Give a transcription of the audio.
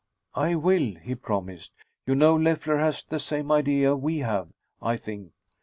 "I will," he promised. "You know, Leffler has the same idea we have, I think.